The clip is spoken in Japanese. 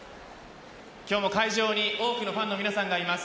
今日も会場に多くのファンの皆さんがいます。